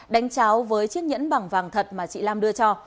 đánh cháo với chiếc nhẫn bằng vàng thật mà chị lam đưa cho